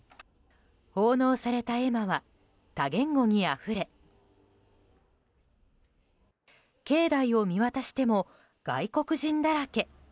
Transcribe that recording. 奉納された絵馬は多言語にあふれ境内を見渡しても外国人だらけ。